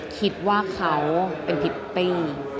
คิดว่าเขาเป็นพิตตี้